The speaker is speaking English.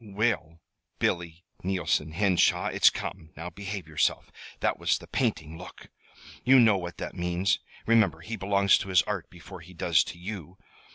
"We'll, Billy Neilson Henshaw, it's come! Now behave yourself. That was the painting look! You know what that means. Remember, he belongs to his Art before he does to you.